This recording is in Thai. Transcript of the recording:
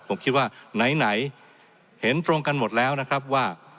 ผมคิดว่าไหนเห็นตรงกันหมดแล้วนะครับว่า